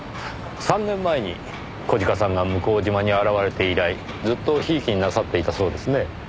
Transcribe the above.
３年前に小鹿さんが向島に現れて以来ずっと贔屓になさっていたそうですね。